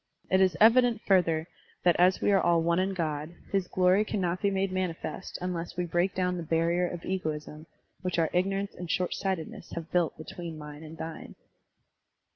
It is evident, further, that as we are all one in God, his glory cannot be made manifest tmless we break down the barrier of egoism which our ignorance and shortsightedness have built between mine and thine.